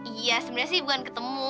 iya sebenarnya sih bukan ketemu